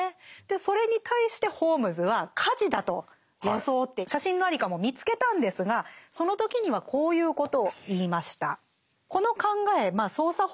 それに対してホームズは火事だと装って写真の在りかも見つけたんですがその時にはこういうことを言いました。